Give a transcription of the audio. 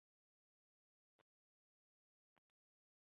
鱼干女嫁唐御侮校尉杜守。